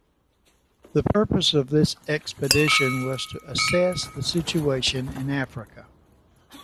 The purpose of this expedition was to assess the situation in Africa.